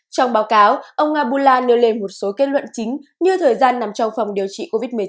trong báo cáo ông abula nêu lên một số kết luận chính như thời gian nằm trong phòng điều trị covid một mươi chín